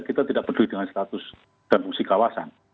kita tidak peduli dengan status dan fungsi kawasan